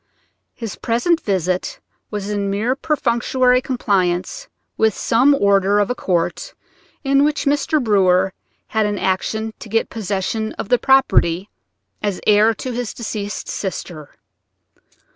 His present visit was in mere perfunctory compliance with some order of a court in which Mr. Brewer had an action to get possession of the property as heir to his deceased sister.